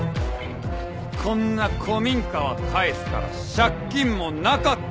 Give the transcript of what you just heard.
こんな古民家は返すから借金もなかった事にしてもらう。